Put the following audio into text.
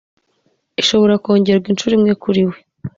ishobora kongerwa inshuro imwe kuri we